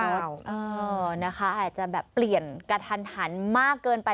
เออนะคะอาจจะแบบเปลี่ยนกระทันหันมากเกินไป